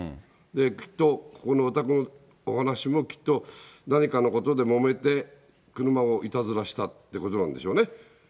きっとここのお宅のお話も、きっと、何かのことでもめて、車をいたずらしたってことなんでしょうね。